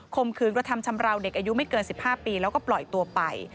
มขืนกระทำชำราวเด็กอายุไม่เกิน๑๕ปีแล้วก็ปล่อยตัวไป